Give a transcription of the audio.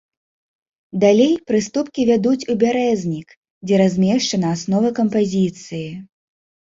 Далей прыступкі вядуць у бярэзнік, дзе размешчана аснова кампазіцыі.